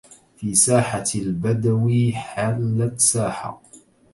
في ساحة البدوي حلت ساحة